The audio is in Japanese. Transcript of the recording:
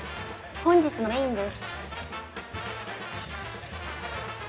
本日のメインです。